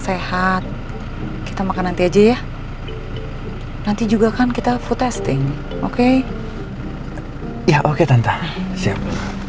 sehat kita makan nanti aja ya nanti juga kan kita food testing oke ya oke tante siap